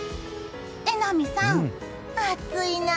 榎並さん、暑いな。